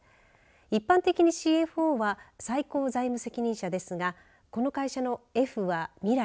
一般的にＣＦＯは最高財務責任者ですがこの会社のＦは未来